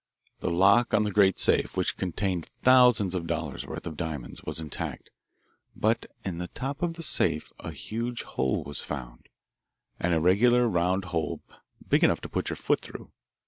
The lock on the great safe, which contained thousands of dollars' worth of diamonds, was intact; but in the top of the safe a huge hole was found an irregular, round hole, big enough to put your foot through.